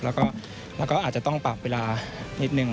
แล้วก็อาจจะต้องปรับเวลานิดนึง